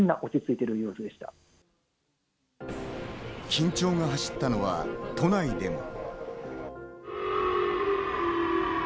緊張が走ったのは都内でも。